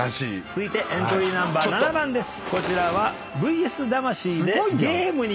続いてエントリーナンバー７番です。